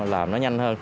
làm nó nhanh hơn